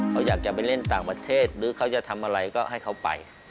เขาอยากจะไปเล่นต่างประเทศหรือเขาจะทำอะไรก็ให้เขาไป